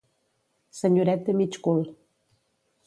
Senyoret de mig cul.